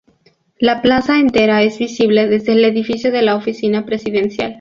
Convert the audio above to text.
La plaza entera es visible desde el Edificio de la Oficina Presidencial.